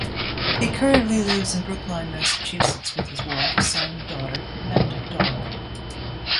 He currently lives in Brookline, Massachusetts with his wife, son, daughter, and dog.